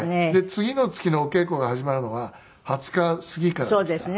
次の月のお稽古が始まるのは２０日過ぎからですから。